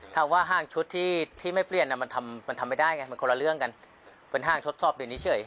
ถ้าว่าห้างชุดที่ไม่เปลี่ยนมันทำไม่ได้ไงมันคนละเรื่องกันเป็นห้างทดสอบเดี๋ยวนี้เฉย